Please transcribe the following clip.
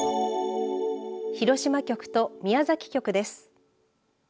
広島局と宮崎局です。